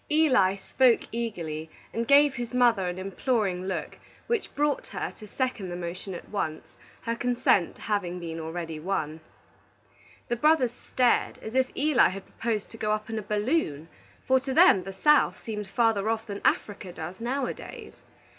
Eli spoke eagerly, and gave his mother an imploring look which brought her to second the motion at once, her consent having been already won. The brothers stared as if Eli had proposed to go up in a balloon, for to them the South seemed farther off than Africa does nowadays.